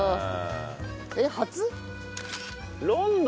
えっ初？